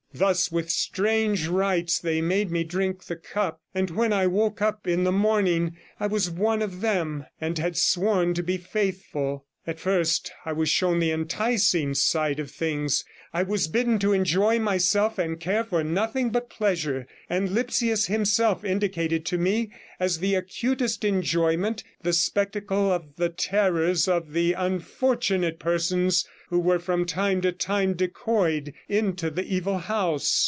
Thus with strange rites they made me drink the cup, and when I woke up in the morning I was one of them, and had sworn to be faithful. At first I was shown the enticing side of things; I was bidden to enjoy myself and care for nothing but pleasure, and Lipsius himself indicated to me as the acutest enjoyment the spectacle of the terrors of the unfortunate persons who were from time to time decoyed into the evil house.